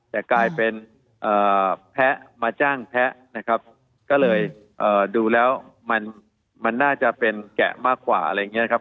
แต่กลายเป็นแพ้มาจ้างแพ้นะครับก็เลยดูแล้วมันน่าจะเป็นแกะมากกว่าอะไรอย่างนี้ครับ